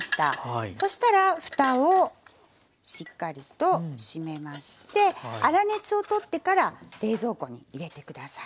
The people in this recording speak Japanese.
そしたらふたをしっかりと閉めまして粗熱を取ってから冷蔵庫に入れて下さい。